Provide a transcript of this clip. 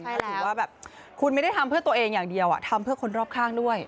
ถือว่าแบบคุณไม่ได้ทำเพื่อตัวเองอย่างเดียวทำเพื่อคนรอบข้างด้วย